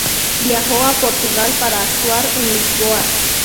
Viajó a Portugal para actuar en Lisboa.